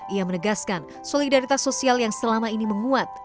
ia menegaskan solidaritas sosial yang selama ini menguat